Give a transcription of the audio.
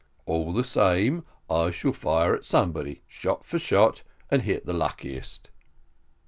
"All the same, I shall fire at somebody; shot for shot, and hit the luckiest."